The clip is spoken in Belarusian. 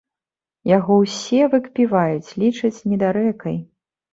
Яго ўсе выкпіваюць, лічаць недарэкай.